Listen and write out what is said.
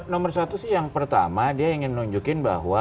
nomor satu sih yang pertama dia ingin nunjukin bahwa